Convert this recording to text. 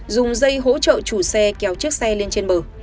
dùng dây hỗ trợ chủ xe kéo chiếc xe lên trên bờ